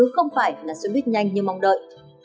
không phải là xe buýt nhanh như mong đợi